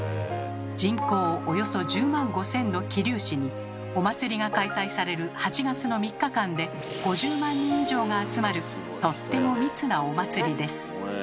人口およそ１０万５，０００の桐生市にお祭りが開催される８月の３日間で５０万人以上が集まるとっても密なお祭りです。